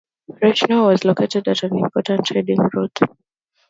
Rychnov was located at an important trading route.